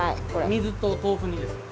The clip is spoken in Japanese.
水と豆腐にですか？